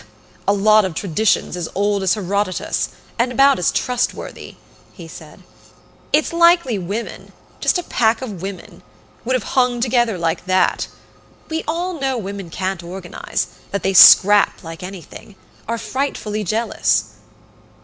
"A lot of traditions as old as Herodotus and about as trustworthy!" he said. "It's likely women just a pack of women would have hung together like that! We all know women can't organize that they scrap like anything are frightfully jealous."